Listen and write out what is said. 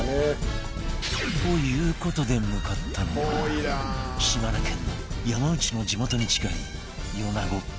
という事で向かったのは島根県の山内の地元に近い